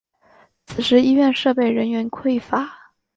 此时医院设备人员匮乏。